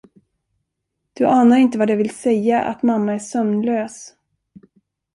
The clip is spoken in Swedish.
Du anar inte vad det vill säga, att mamma är sömnlös.